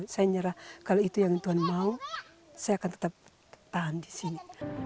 saya nyerah kalau itu yang tuhan mau saya akan tetap tahan di sini